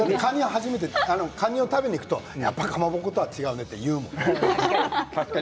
カニを食べに行くとやっぱりかまぼことは違うねって言うよね。